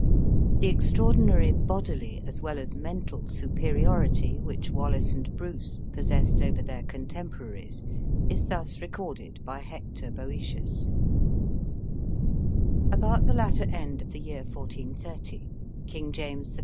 The extraordinary bodily, as well as mental superiority which Wallace and Bruce possessed over their contemporaries, is thus recorded by Hector Boetius: "About the latter end of the year 1430, King James I.